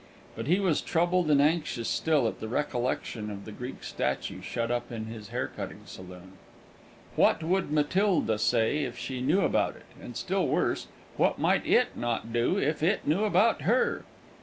But he was troubled and anxious still at the recollection of the Greek statue shut up in his hair cutting saloon. What would Matilda say if she knew about it; and still worse, what might it not do if it knew about her?